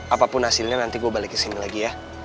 apapun hasilnya nanti gue balik kesini lagi ya